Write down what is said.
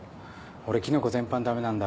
俺キノコ全般ダメなんだ。